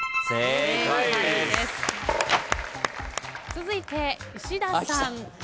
続いて石田さん。